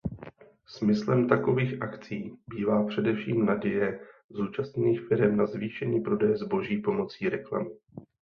Smyslem takových akcí bývá především naděje zúčastněných firem na zvýšení prodeje zboží pomocí reklamy.